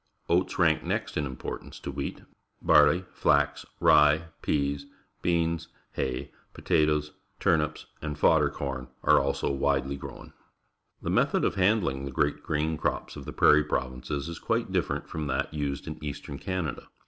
Oat s rank next in importance to wheat. Barley, flax, rj'e, p eas, bea ns^Jia y, potatoes. turnip s^ and dodder corn are also widely grown. The method of handhng the great grain crops of the Prairie Provinces is quite differ ent from that used in Eastern Canada.